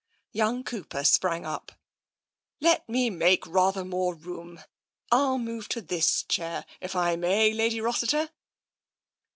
Young Cooper sprang up. " Let me make rather more room. I'll move to this chair, if I may, Lady Rossiter."